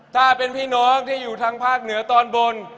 ถ้าเป็นพี่น้องที่อยู่ทางภาคเหนือตอนบน